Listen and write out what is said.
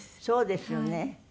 そうですよね。